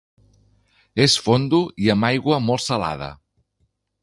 És fondo i amb aigua molt salada.